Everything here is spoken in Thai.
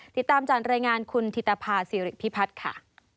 ติดตามจากรายงานคุณธิตภาษีริพิพัฒน์ค่ะ